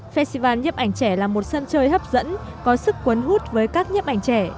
festival nhếp ảnh trẻ là một sân chơi hấp dẫn có sức quấn hút với các nhếp ảnh trẻ